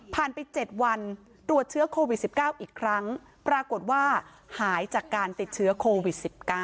ไป๗วันตรวจเชื้อโควิด๑๙อีกครั้งปรากฏว่าหายจากการติดเชื้อโควิด๑๙